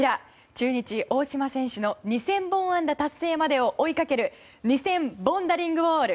中日、大島選手の２０００本安打達成までを追いかける２０００ボンダリングウォール。